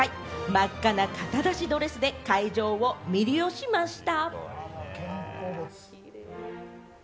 真っ赤な肩出しドレスで会場を魅了しました。